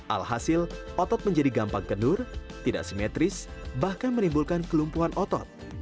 alhasil otot menjadi gampang kenur tidak simetris bahkan menimbulkan kelumpuhan otot